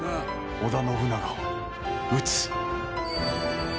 織田信長を討つ。